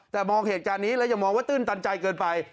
แต่มองเหตุการณ์นี้แล้วอย่ามองว่าตื้นตันใจเกินไป